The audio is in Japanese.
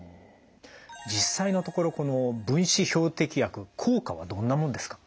実際のところこの分子標的薬効果はどんなもんですか？